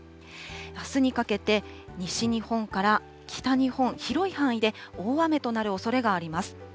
あすにかけて、西日本から北日本、広い範囲で大雨となるおそれがあります。